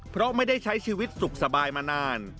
เพราะไม่ได้ใช้ชีวิตสุขสบายมานาน